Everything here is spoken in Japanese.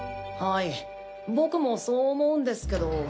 はい僕もそう思うんですけど。